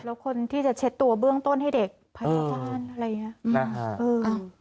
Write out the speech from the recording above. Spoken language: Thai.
แล้วคนที่จะเช็ดตัวเบื้องต้นให้เด็กพยาบาลอะไรอย่างนี้